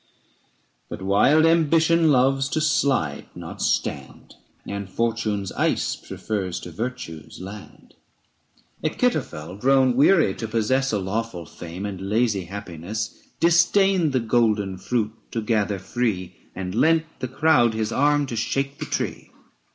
But wild ambition loves to slide, not stand, And fortune's ice prefers to virtue's land. Achitophel, grown weary to possess aoo A lawful fame and lazy happiness, Disdained the golden fruit to gather free And lent the crowd his arm to shake the tree.